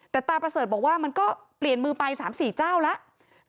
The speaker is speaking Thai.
แต่ตาประเสริฐบอกว่ามันก็เปลี่ยนมือไป๓๔เจ้าแล้ว